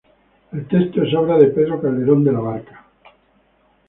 El texto es obra de Pedro Calderón de la Barca.